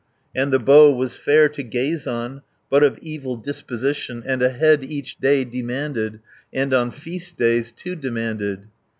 And the bow was fair to gaze on, But of evil disposition, 330 And a head each day demanded, And on feast days two demanded.